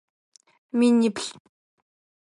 Миниплӏ.